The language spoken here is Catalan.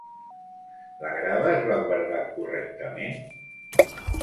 La grava es va guardar correctament?